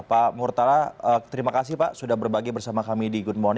pak murtala terima kasih pak sudah berbagi bersama kami di good morning